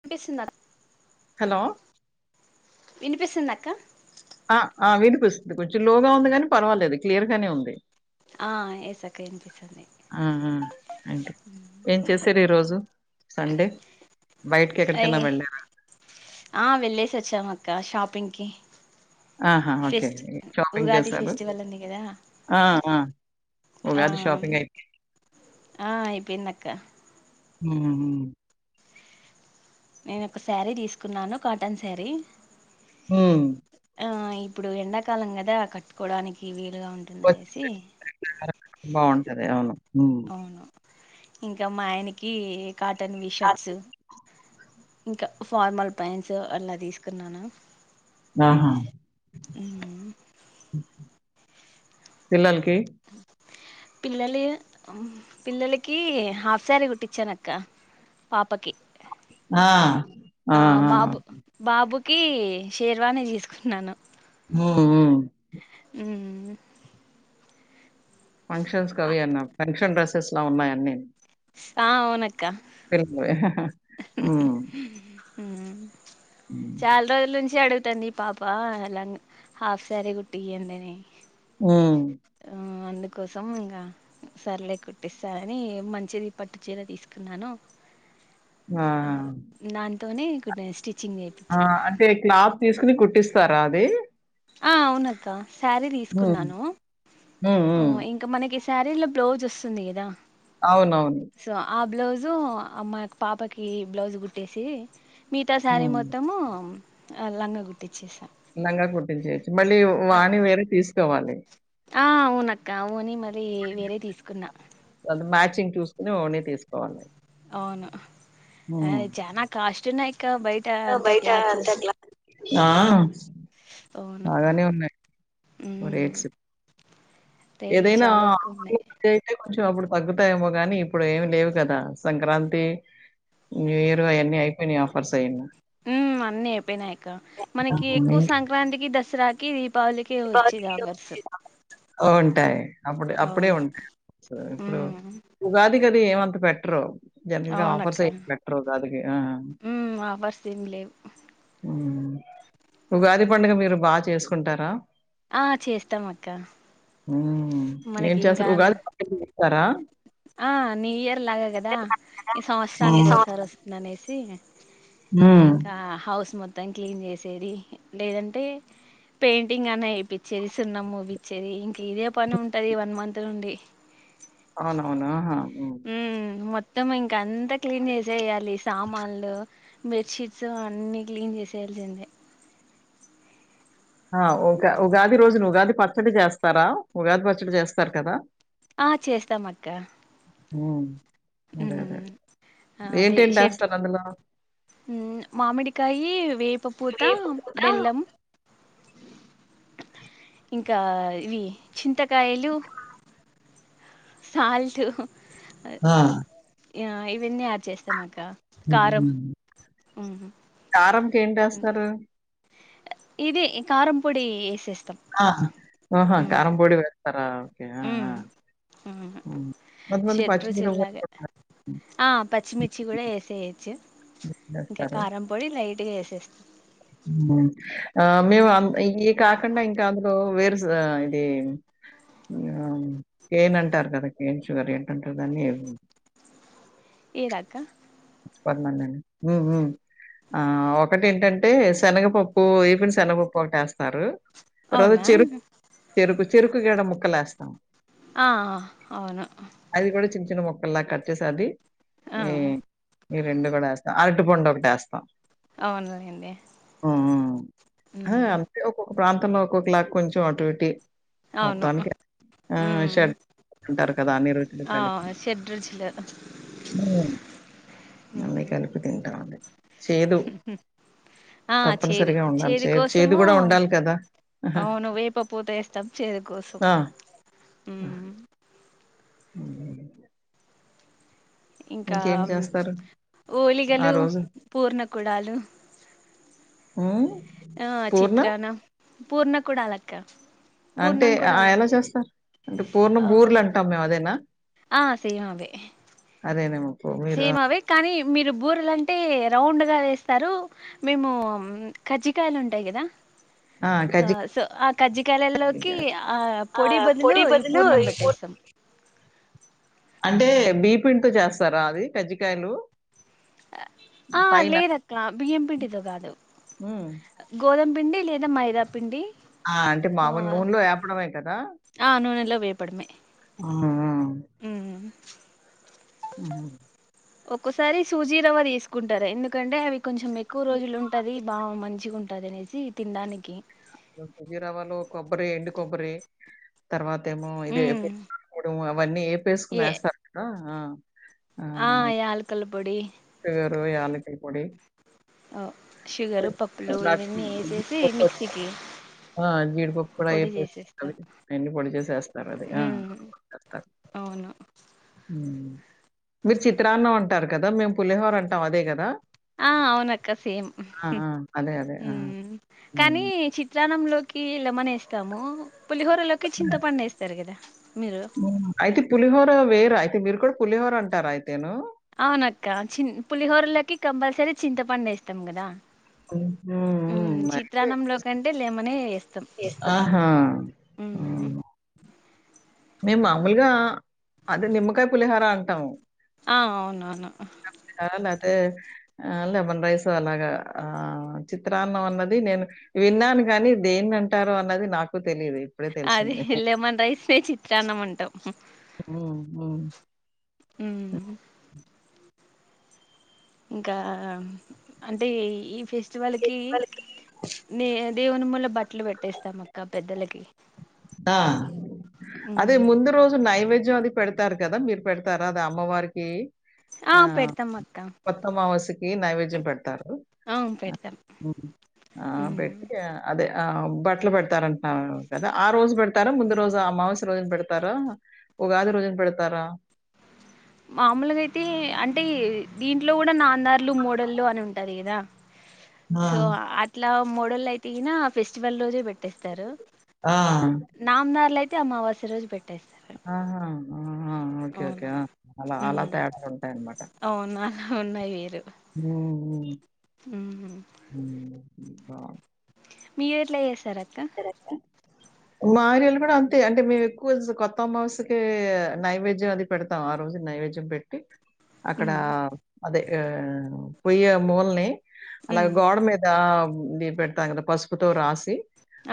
వినిపిస్తుంద హలో వినిపిస్తుంద అక్క ఆ ఆ వినిపిస్తుంది కొంచెం లోగా ఉంది గాని పర్వాలేదు క్లియర్ గానే ఉంది. ఆ ఎస్ అక్క వినిపిస్తుంది ఆ ఆ అంటే ఏం చేశారు ఈ రోజు సండే బయటకి ఎక్కడికైనా అయి వెళ్ళారా ఆ వెళ్ళేసి వచ్చం అక్క షాప్ పింకీ ఆహా ఓకే ఫెస్టి షాపింగ్ ఉగాది చేశారు ఫెస్టివల్ ఉంది కదా ఆ ఆ ఆ ఉగాది షాపింగ్ అయితే ఆ అయిపోయింది అక్క ఆ నేను ఒక శారీ తీసుకున్నాను కాటన్ శారీ హ ఆ ఇప్పుడు ఎండాకాలం కదా కట్టుకోవడానికి వే అగా ఉంటుందనేసి వచ్చారా? బాగుంటది అవును ఉమ్. అవును ఇంకా మా ఆయనకి కాటన్ వి షర్ట్స్ ఇంకా ఫార్మల్ పైన్స్ అలా తీసుకున్నాను ఆహా అ తిల్లాలకి ఓకే పిల్లలు పిల్లలకి హాఫ్ శారీ కుట్టించాన అక్క పాపకి ఆ ఆ బాబు బాబుక్ కి షేర్వాని తీసుకున్నాను ఆ అ ఫంక్షన్స్ కవి అన్న ఫంక్షన్ షన్ డ్రెసెస్ ఉన్నాయ నేను ఆ అవునక్క పెరుమ ఆ ఉమ్. చాలా రోజుల నుంచి అడుగుత కుట్టడి పాపా హాఫ సార కుట్టి అనే ఆ అందుకోసం ఇంకా సర్లే కొట్టిస్తా అని మంచిది పట్టు చీర తీసుకున్నాను ఆ. నాన్ తనే స్టిచ్ ఆ అంటే క్లాత్ తీసుకుని కుట్టిస్త సరాద ఆ అవునక్క శారీ హ్మ్. తీసుకున్నాను హ్మ్. హ్మ్. ఇంకా మనకి శారీలో బ్లౌజ్ వస్తుంది కదా అవునవును సో ఆ బ్లౌజు అమ్మా పాపకి బ్లౌజు కుట్టేసి మిగతా శారీ హ్మ్. మొత్తము లంగ కుట్టిచ్చేసా లంగ కు చేయొచ్చు మళ్ళీ వాణి వేరే తీసుకోవాలి ఆ వునక్క ఊని మరి వేరే తీసుకున్నా ంగ్ చూసుకుని ఓని తీసుకోవాలి అవును అ హ్మ్. జనా కాష్ట్ చి నా అక్క బయట ఆ! అంత బయట క్లాస్ అంతా గ్లా ఆ బాగానే ఉన్నాయి అమ్ రేట్స్. ఏదైనా అయితే కొంచెం అప్పుడు తగ్గుతాయేమో గానీ ఇప్పుడు ఏమి లేవు కదా సంక్రాంతి న్యూ ఇయర్ అవన్నీ అయిపోయినాయి ఆఫర్స్ అయినా ఉమ్ అన్నీ అయిపోయినాయక మనకి ఎక్కువ అవును. సంక్రాంతికి దసరాకి దీపావళికి వచ్చేది ఆఫర్సు ఉంటాయి అప్పుడు అప్పుడే ఉంటాయి సో ఇప్పుడు ఉమ్ ఉగాది కది ఏమంత పెటురు జనరల్గా ఆఫర్స్ అవునక్క అయ పెట్టర్ ఉగాదికి ఆ ఉమ్ ఆఫర్స్ ఏం లేవు ఉగాది పండుగ మీరు బాగా చేసుకుంటారా ఆ చేస్తాం అక్క ఏం మనకి చేస్తారు ఇంకా ఉగాది పచ్చడి చేస్తారా ఆ న్యూ ఇయర్ లాగా కదా ఈ హ్మ్. సంవత్సరానికి సంవత్సరం ఒకసారి వస్తుంది అనేసి హ్మ్. ఇంకా హౌస్ మొత్తం మొత్తం క్లీన్ చేసేది లేదంటే పెయింటింగ్ అన్నా వేపిచేది సున్నం పోపిచ్చేది ఇంకా ఇదే పని ఉంటుంది వన్ మంత్ నుండి అవునవును ఆహా హ్మ్. ఉమ్ మొత్తం ఇంక అంతా క్లీన్ చేసేయాలి సామాన్లు బెడ్షీట్స్ అన్ని క్లీన్ చేసేయాల్సిందే ఆ ఉ ఉగాది రోజున ఉగాది పచ్చడి చేస్తారా ఉగాది పచ్చడి చేస్తారు కదా ఆ చేస్తాం అక్క హమ్ అదే షెడ్ ఏంటేంటేస్తారు అందులో? మామిడికాయ వేపపూత వేప పూత బెల్లం ఇంకా ఇవి చింతకాయలు సాల్ట్ ఆ య ఇవన్నీ యాడ్ చేస్తామట్ కారంకి ఏంటి ఏస్తారు ఇదే కారం పొడి వేసేస్ ఆ ఆహా కారం పొడి వె తరా ఉ కొంతమంది షెడ్ పచ్చిమిరపకాయలు రుచిల్లాగా కూడా హ్మ్. ఆ పచ్చిమిర్చి కూడా వేసేయచ్చు ఇంకా కారం పొడి లైట్గా వేస చేస్ అ ఆ మేము అ ఈ కాకండా ఇంకా అంద్రూ వేర్ ఆ ఇది కేన్ అంటారు కదా కేన్ షుగర్ ఏంటంటారు దాన్ని ఏరాక పదిమంది అండి ఉ ఉ ఆ ఒకటి ఏంటంటే శనగపప్పు ఈఫన్ శనగపప్పు ఒకటి వేస్తారు తర్వాత అవునా చెరుకు చెరుకు చెరుకు ముక్ గడ ముక్కలు వేస్తాం ఆ అవును చచ్చిన మొక్కల్లా కట్ చేసది ఆ ఈ రెండు కూడా వేస్తాం అరటి పండు ఒకటి వేస్తాం అవునులేండి ఉ ఉమ్ అంతే ఒకో ఒక ప్రాంతంలో ఒక్కొ క్లాక్ కొంచెం అటు ఇటి అవును మొత్తానికి ఆ ఉమ్ షర్ ఉంటారు కదా రోజులు ఆ కలిపి షెడ్ రుచులు ఆ మమ్మీ ఉమ్ కి అనుకుటి ఆ చేదు తప్పనిసరిగా ఉండాలి. చేదు చే చేదు కోసము గూడా ఉండాలి కదా! అవును వేప పూత వేస్తాం చేదు కోసం ఆ! అ ఇంకా చేస్తారు ఆ ఓలిగలు పూర్ణ కుడాలు ఉమ్ ఆ చిత్రానా పూర్ణ కూడా అలక్క అంటే ఆ ఎలా చేస్తారు అంటే పూర్ణం ఆ బూర్లు అంటాం మేము అదైనా ఆ సేమ్ అవే అదేనేమో పూ మీరు సేమ్ అవే కానీ మీరు బూరెలు అంటే రౌండ్ గా వేస్తారు మేము కజ్జికాయలు ఉంటాయి కదా ఆ సో ఆ కజ్జికయల్లోకి కజ్జికాయలు. ఆ పొడి బదులు ఈ పూర్ణం పెట్టేస్తాం బీపిండి తో చేస్తారా అది కజ్జికాయలు ఆ పైన లేదు అక్క బియ్యం పిడితో కాదు ఉమ్. గోధం పిండి లేదా మైదా పిండి ఆ అంటే ఆ మామలు నూనెలో ఏపడమే కదా ఆ, నూనెలో వేపడమే ఆ ఆ ఉమ్ ఊహు ఒక్కసారి సూజీ రవ్వ తీసుకుంటారు ఎందుకంటే అవి కొంచెం ఎక్కువ రోజులు ఉంటుది బా మంచిగాంటుంది ద నెసి తింటానికి జ రవ్వలు కొబ్బరి ఎండు కొబ్బరి తర్వాత ఏమో ఇది ఎ ఎప్పుడు వన్నీ ఎం వేసుకునేస్తారు ఊ ఆహ్ యాలకల్ పొడి యలకల పొడి ఓ నాకు జీడిపప్పు మిక్సీకి పొ పొడి అయిపో ఆహ్ చేసేస్తారు ఆయన్ని పొడి చేసేస్తారు అది ఉమ్ ఎస్తేరు అవును మీరు చిత్రాన్నం అంటారు కదా మేము పులిహోర అంటాం అదే కదా ఆహ్ అవునక్క సేమ్ ఆ! ఆ! అదే. అదే. ఊ ఆ! కానీ హ్మ్. చిత్రాన్నంలో కిలమనే ఇస్తాము పులిహోరలోకి హ్మ్. చింతపండెస్తారు కదా మీరు హ్మ్. అయితే పులిహోర వేరా? అయితే మీరు కూడా పులిహోర అంటార అయితేను అవునక్క చి పులిహోరలకి కంపల్సరీ చింతపండెస్తాం కదా హ్మ్. హ్మ్. ఊ హ్మ్. అయితే చిత్రాన్నంలో కంటే లేమనే వేస్తాం చేస్తాం. ఆహా! ఊ హ్మ్. మేము మామూలుగా అదే నిమ్మకాయ పులిహర అంటాము. ఆహ్ అవునవును అదే ఆ లెమన్ రైస్ అలాగా ఆ చిత్రాన్నం అన్నది నేను విన్నాను కానీ దేన్ని అంటార అన్నది నాకు తెలీదు. ఇప్పుడే అదే తెలిసింది. లేమన్ రైస్నే చి ఉట్టన్నం అంటాం హ్మ్. హ్మ్. ఊ హ్మ్. ఇంకా అంటే ఈ ఫెస్ వాళ్ళకి దీపావళికి దేవుని మూల బట్ట ట్లు పెట్టేస్తాం అక్క పెద్దలకి ఆ అదే ఉమ్ ముందు రోజు నైవేద్య ధ్యం అది పెడతారు కదా మీరు పెడతారా అది అమ్మవారికి ఆ పెడతం అక్క ఈ నైవేద్యం పెడి డతారు ఆ ఉ ఆ ఉమ్ పెట్టి అదే ఆ బట్టలు పెడతారంటా కదా ఆ రోజు పెడతారా ముందు రోజు అమావాస్య రోజున పెడతారా ఉగాది రోజున పెడతారా మామూలుగా అయితే అంటే దీంట్లో కూడా నాందార్లు మూడళ్ళు అని ఉంటది కదా ఆ! సో అట్లా ఇలా మోడోళ్ళ అయితే ఈన ఫెస్టివల్ రోజే పెట్టేస్తారు ఆ! నాందార్లు అయితే అమావాస్య రోజు పేట్ ఆహా ఆ ఆ ఓకే ఓకే అవును అలా అలా ఉమ్ తేడా ఉంటాయి అన్నమాట అవును అలా ఉన్నాయి వీరు ఊ ఊ ఊహ్ అబ్బా మేరెట్ల చేస్తారూ ఆ కా మా ఏరియాలో కూడా అంతే అంటే మేము ఎక్కువ కొత్త అమావస్యకి నైవేద్యం అది పెడతాం ఆ రోజు నైవేద్యం పెట్టి అక్కడ మ్మ్ అదే ఆహ్ పొయ్యే మూలని అలాగే మ్మ్ గోడ మీద ది పెడుతామాం గద పసుపుతో రాసి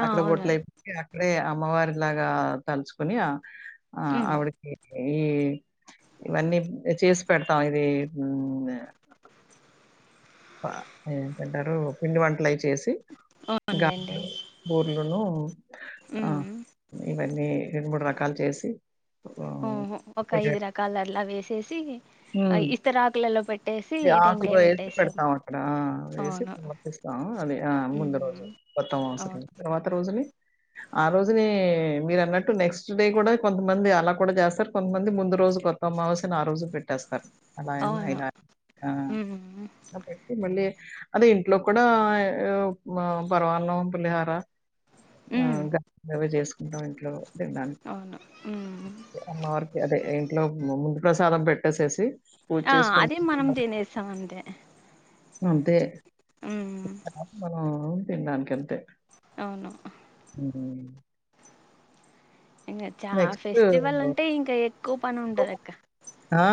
ఆ అక్కడ అవునా బొట్లయి అక్కడే అమ్మవారి లాగా తలుచుకుని ఆ మ్మ్ ఆవిడకి ఈ ఇవన్నీ చేసి పెడతాం ఇది ఊ ఏంటంటారు పిండి వంటల అయి చేసి అవునులేండి గారెలు బూరెలను ఆ మ్మ్ ఇవన్నీ అన్ని రెండు మూడు రకాలు చేసి ఆహ్, ఓహో ఒక ఐదు రకాలర్లా వేసేసి ఆ ఇస్తర ఆకులలో పెట్టి ఆకులు వేసి పెడతాం అక్కడ వేసి అవును సమర్పిస్తాం అది ఆ ముందు రోజు మ్మ్ మొత్తం అవసరం అవును తర్వాత రోజుని ఆ రోజుని మీరు అన్నట్టు నెక్స్ట్ డే కూడా కొంతమంది అలా కూడా చేస్తారు కొంతమంది ముందు రోజు కొత్త అమావాస్యను ఆ రోజు పెట్టేస్తారు అలా ఎన్నా అవును ఇలా ఆ మ్మ్ అదే ఇంట్లో కూడా పరమాన్నం పులిహార మ్మ్ ఆహ్ గారే అవి చేసుకు మ్మ్ ఇంట్లో ట్లో అవును మ్మ్ అమ్మవర్కి అదే ఇంట్లో ముందు ప్రసాదం పెట్టేసేసి పూజ ఆ చేసుకుని అదే మనం తినేసాం అంతే అంతే మ్మ్ మ్మ్ అవును తినడానికి అంతే అవును మ్మ్ ఇంగ చా నెక్స్ట్ ఫెస్టివల్ అంటే ఇంకా ఎక్కువ పని ఉంటది అక్క ఆ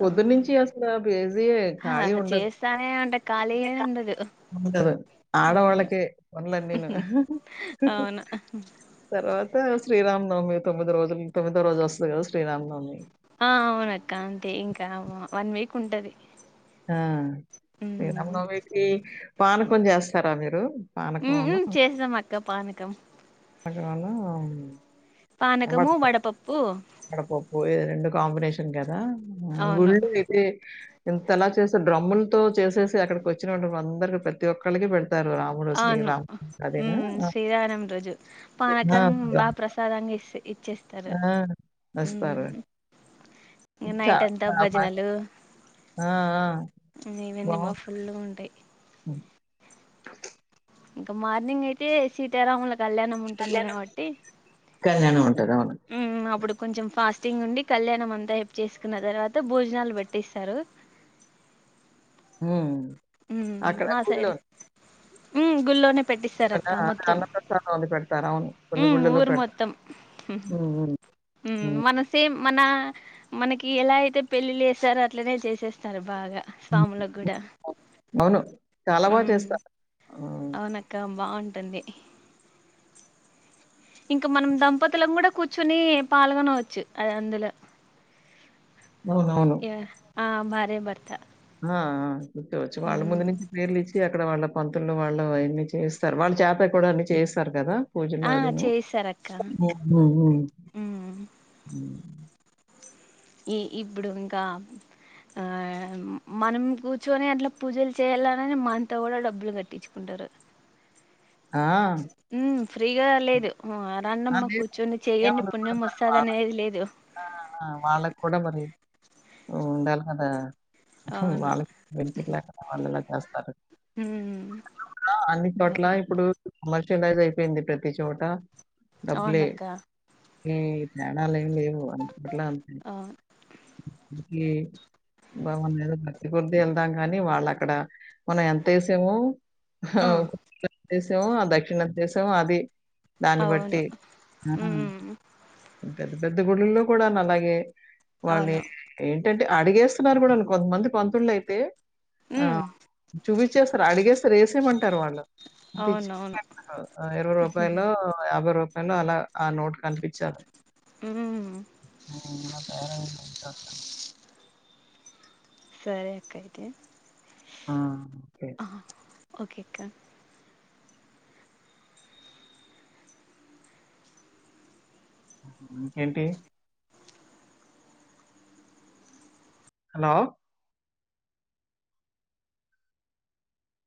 పొద్దున్నే నుంచి అసలు బిజి ఎ ఆ ఖాళీ ఉండదు చేస్తానే ఉంట ఖాళీగానే ఉండదు ఉండదు అవును ఆడవాళ్ళకే పనులనీను అవును తర్వాత శ్రీరామ్ తోమీ తొమ్మి రోజు తొమ్మిదో రోజు వస్తుది కథ శ్రీరామనవమి ఆ అవునక్క అంతే ఇంకా ఆ వన్ వీక్ ఉంటది ఆ అమ్మవారికి పానకం చెస్ స్తారా మీరు పానకంను, మ్మ్ చేస్తాం అక్క పాన కం చాలా పానకము వడపప్పు రెండు కాంబినేషన్ తింటారా ఆ అవును గుళ్ళు అయితే ఇంతలా చేస్తే డ్రమ్ములతో చేసేసి అక్కడికి వచ్చిన వా అందరికి ప్రతి ఒక్కలకి పేడ్ అవును మ్మ్ ఆ! శ్రీరామ నవమి రోజు ఆ! పానకం బాగా ప్రసాదంగా ఇ ఇచ్చేస్తారు ఆ! వస్తారు. మ్మ్ ఇగ చ నైట్ అంతా ఆ! మ భజనలు ఆ ఆ బావుటుది ఎ అ ఇంకా మార్నింగ్ అయితే సీతారాముల కళ్యాణం ఉంటుంది కళ్యాణం. గాబట్టి కళ్యాణం ఉంటది. అవును. హ్మ్ అప్పుడు కొంచెం ఫాస్టింగ్ ఉండి కళ్యాణం అంతా ఏపు చేసుకున్న తర్వాత భోజనాలు పెట్టిస్తారు హ్మ్ హ్మ్ అక్కడ మా సైడ్ గుడిలోనే హ్మ్ గుళ్ళోనే పెట్టిస్తారు కదా! అక్క మొత్తం అన్నప్రసాదం అది పెడతారు. అవును. కొన్ని హ్మ్ గుళ్ళలో ఊరు పెడతారు. మొత్తం హ్మ్. హ్మ్ మన సేమ్ మనా మనకి ఎలా అయితే పెళ్ళిళ్ళ చేసారో అట్లనే చేసేస్తారు బాగా హ్మ్. స్వాములకు కూడా అవును చాలా బాగా ఉమ్ చేస్తా అవునక్క బావుంటుంది ఇంకా మనం దంపతులము కూడా కూర్చొని పాల్గొనవచ్చు అది అందులో అవునవును యా భార్య భర్తా ఆ ఆ ముట్టవచ్చు వాళ్ళ ముందు నుంచి పేర్లు ఇచ్చి అక్కడ వాళ్ళ పంతుల్లు వాళ్ళు అయన్నీ చేస్తారు వాళ్ళ చేత కూడా అన్ని చేయిస్తారు కదా ఆ పూజల్లో అదేమో చేయిస్తారక్క హ్మ్ ఉమ్ మ్మ్ ఈ ఇప్పుడు ఇంకా ఆ మనం కూర్చుని అట్లా పూజలు చేయాలనిని మనతో కూడా డబ్బులు కట్టించుకుంటారు ఆ ఉమ్ ఫ్రీగా లేదు హ్మ్ ఆ! రండమ్మ లేదు. కూర్చోని చెయ్యండి ఏముండదు మరి పుణ్యం వస్తాది అని వాళ్ళకి ఏం లేదు ఆ! వాళ్ళకి కూడా మరి ఉండాలి కదా అవును వాళ్ళకి బెనిఫిట్ లేకుండా వాళ్ళు ఎలా చేస్తారు ఉమ్ అవును కమర్షియలైజ్ అయిపోయింది ప్రతి చోట అవునక్క ఏ ధ్యాన లేం లేవు అట్ల అవును ఏ పాపం ఏదో భక్తి కొద్దీ వెళ్దాం కానీ వాళ్ళు అక్కడ మనం ఎంత ఏసేమో ఆ అవును దేశం ఆ దక్షిణ దేశం అది దాన్ని అవును బట్టి ఆ ఉమ్ పెద్ద గుడుల్లో కూడా నలాగే వాళ్ళే అవును ఏ ఏంటంటే అడిగేస్తున్నారు కూడా వాు కొంతమంది బంధువులు అయితే ఆ ఉమ్ చూపించేస్తారు అడిసారు వేమంట వాళ్ళు ఇ అవునవును ఇరవై రూపాయ యాభై ర అన్న అలా ఆ నోట్ కనిపించాలి ఉమ్ ఊ మల్ల వ సరే అక్క అతే ఆ ఓకే. ఆ ఓకేక్క ఇంకేంటి హలోలో